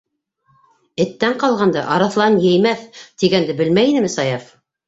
Эттән ҡалғанды арыҫлан еймәҫ, тигәнде белмәй инеме Саяф?